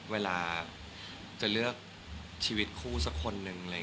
เวลาจะเลือกชีวิตคู่สักคนนึง